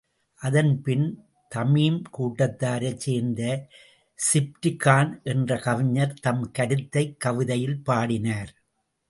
அதன்பின், தமீம் கூட்டத்தாரைச் சேர்ந்த ஸிப்ரிகான் என்ற கவிஞர் தம் கருத்தைக் கவிதையில் பாடினார்.